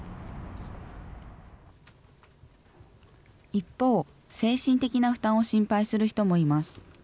一方、精神的な負担を心配する人もいます。